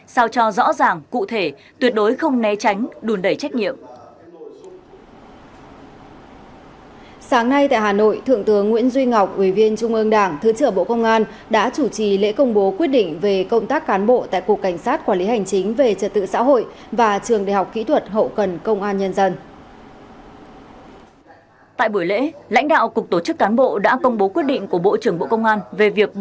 sáng nay tại hà nội thượng tướng nguyễn duy ngọc ủy viên trung ương đảng thứ trưởng bộ công an đã chủ trì lễ công bố quyết định về công tác cán bộ tại cục cảnh sát quản lý hành chính về trật tự xã hội và trường đại học kỹ thuật hậu cần công an nhân dân